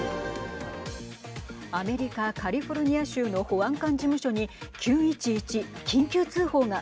アメリカ、カリフォルニア州の保安官事務所に９１１＝緊急通報が。